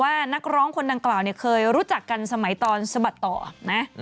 นักร้องคนดังกล่าวเนี่ยเคยรู้จักกันสมัยตอนสะบัดต่อนะ